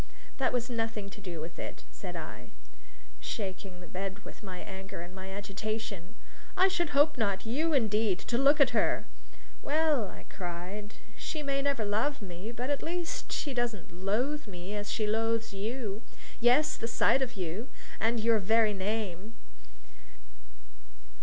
"That has nothing to do with it," said I, shaking the bed with my anger and my agitation. "I should hope not! You, indeed, to look at her!" "Well," I cried, "she may never love me; but at least she doesn't loathe me as she loathes you yes, and the sight of you, and your very name!"